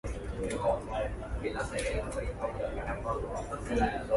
An example is acetic acid and water, which do not form an azeotrope.